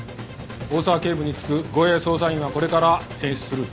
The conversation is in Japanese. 大澤警部に付く護衛捜査員はこれから選出する。